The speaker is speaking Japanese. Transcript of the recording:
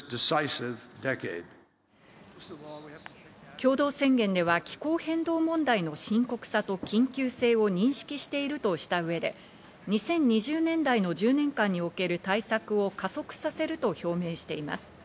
共同宣言では気候変動問題の深刻さと緊急性を認識しているとした上で、２０２０年代の１０年間における対策を加速させると表明しています。